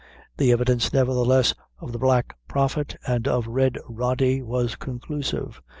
The evidence, nevertheless, of the Black Prophet and of Red Rody was conclusive.